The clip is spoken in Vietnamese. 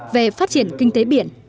về phát triển kinh tế biển